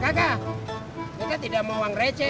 kakak kita tidak mau uang receh